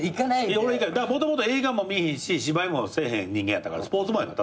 もともと映画も見いひんし芝居もせえへん人間やったからスポーツマンただの。